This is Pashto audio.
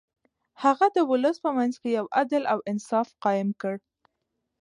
هغه د ولس په منځ کې يو عدل او انصاف قايم کړ.